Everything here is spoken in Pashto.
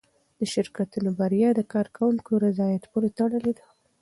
د شرکتونو بریا د کارکوونکو رضایت پورې تړلې ده.